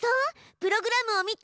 プログラムを見て。